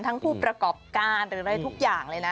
ทั้งผู้ประกอบการอะไรทุกอย่างเลยนะ